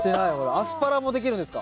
アスパラもできるんですか？